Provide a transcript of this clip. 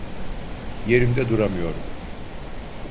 Yerimde duramıyorum.